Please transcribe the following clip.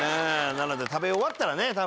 なので食べ終わったらね多分。